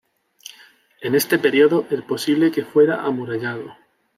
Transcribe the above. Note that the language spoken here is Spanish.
En este periodo el posible que estuviera amurallado.